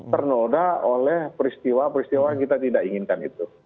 ternoda oleh peristiwa peristiwa yang kita tidak inginkan itu